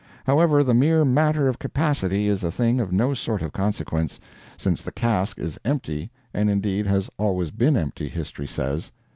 However, the mere matter of capacity is a thing of no sort of consequence, since the cask is empty, and indeed has always been empty, history says.